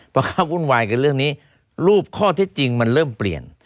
พอเขาวุ่นวายกันเรื่องนี้รูปข้อเท็จจริงมันเริ่มเปลี่ยน